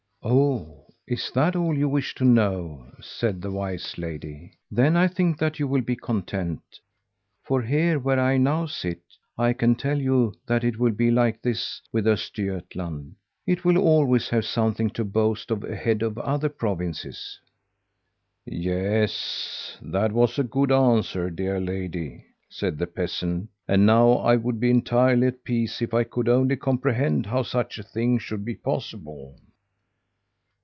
"'Oh! is that all you wish to know,' said the wise lady; 'then I think that you will be content. For here where I now sit, I can tell you that it will be like this with Östergötland: it will always have something to boast of ahead of other provinces.' "'Yes, that was a good answer, dear lady,' said the peasant, 'and now I would be entirely at peace if I could only comprehend how such a thing should be possible.'